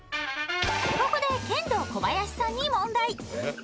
ここでケンドーコバヤシさんに問題！